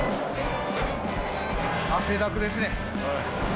汗だくですね。